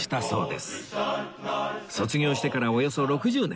卒業してからおよそ６０年